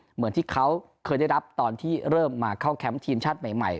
เหมือนที่เขาเคยได้รับตอนที่เริ่มมาเข้าแคมป์ทีมชาติใหม่